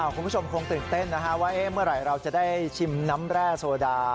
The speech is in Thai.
คุณผู้ชมคงตื่นเต้นนะฮะว่าเมื่อไหร่เราจะได้ชิมน้ำแร่โซดา